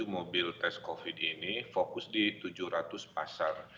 enam ratus dua puluh tujuh mobil tes covid ini fokus di tujuh ratus pasar